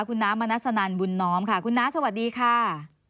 คุณน้ามนัสนันบุญน้อมค่ะคุณน้าสวัสดีค่ะ